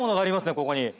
ここに。